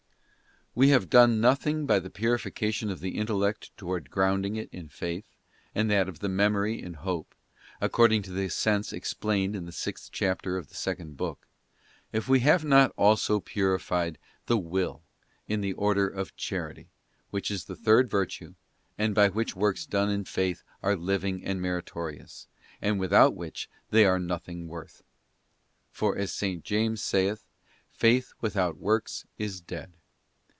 We have done nothing by the purification of the Intellect towards grounding it in Faith, and that of the Memory in Hope—according to the sense explained in the sixth chapter of the second book —if we have not also purified the Will in the order of Charity, which is the third virtue, and by which works done in Faith are living and meritorious, and without which they are nothing worth. For as S. James saith, ' Faith without works is dead.